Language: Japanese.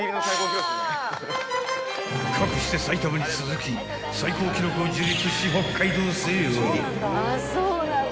［かくして埼玉に続き最高記録を樹立し］